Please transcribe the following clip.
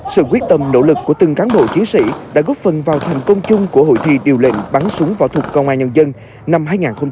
sự quyết tâm nỗ lực của từng cán bộ chiến sĩ đã góp phần vào thành công chung của hội thi điều lệnh bắn súng võ thuật công an nhân dân năm hai nghìn hai mươi ba